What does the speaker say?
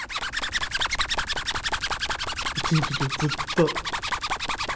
一日中ずっと。